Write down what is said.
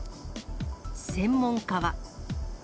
専門家は。